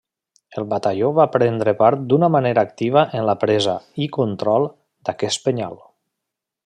El batalló va prendre part d’una manera activa en la presa i control d’aquest Penyal.